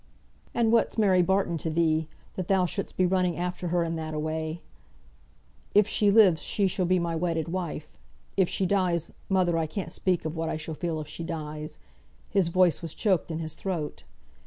"And what's Mary Barton to thee, that thou shouldst be running after her in that a way?" "If she lives, she shall be my wedded wife. If she dies mother, I can't speak of what I shall feel if she dies." His voice was choked in his throat.